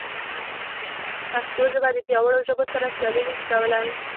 پښتو ژبه د پیاوړو ژبو سره سیالي نه شي کولی.